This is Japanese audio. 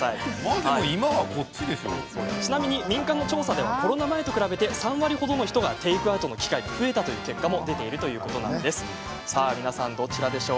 ちなみに民間の調査ではコロナ前と比べて３割程の人がテイクアウトの機会が増えたという結果も出ているそうです。